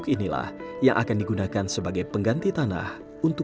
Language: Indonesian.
akibatnya ketersediaan sayuran hijau segar masyarakat pulau sangat bergantung pada pasokan dari daratan